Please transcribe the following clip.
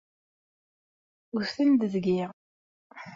Wten-d deg-i.